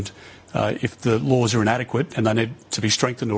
dan jika perintah itu tidak adekat dan mereka perlu diperkuat atau diambil